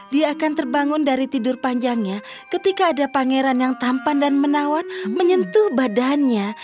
dia akan terbangun dari tidur panjangnya ketika ada pangeran yang tampan dan menawan menyentuh badannya